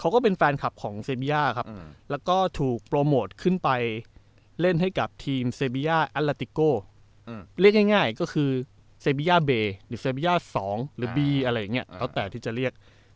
อ่าเพราะเขาก็เกิดที่เซเบียแปลบเบื้องเกิด